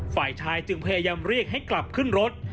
ฝ่ายชายจึงพยายามเรียกให้กลับขึ้นรถ